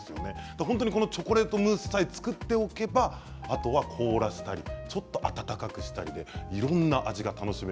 本当にチョコレートムースさえ作っておけばあとは凍らせたりちょっと温かくしたりといろんな味が楽しめる。